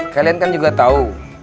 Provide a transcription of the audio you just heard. kalian kan juga tau